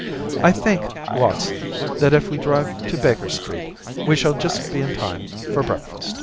I think, Watson, that if we drive to Baker Street we shall just be in time for breakfast."